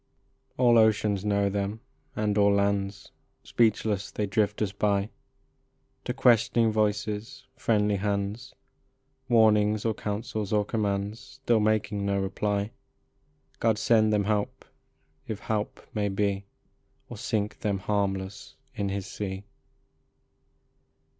All oceans know them, and all lands. Speechless they drift us by ; To questioning voices, friendly hands, Warnings or counsels or commands, Still making no reply. God send them help if help may be, Or sink them harmless in his sea.